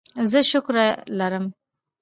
زه شکره لرم.